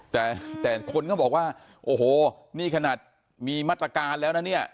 แต่แต่คนก็บอกว่าโอ้โหนี่ขนาดมีมาตรการแล้วนะเนี่ย